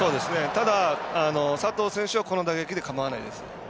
ただ、佐藤選手はこの打撃で構わないです。